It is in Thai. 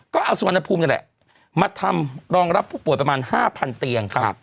ก็เอาสุวรรณภูมินี่แหละมาทำรองรับผู้ป่วยประมาณ๕๐๐เตียงครับ